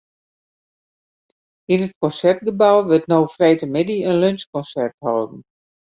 Yn it Konsertgebou wurdt no freedtemiddei in lunsjkonsert holden.